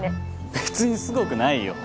別にすごくないよ。